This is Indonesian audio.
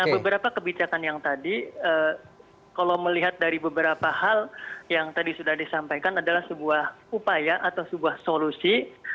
nah beberapa kebijakan yang tadi kalau melihat dari beberapa hal yang tadi sudah disampaikan adalah sebuah upaya atau sebuah solusi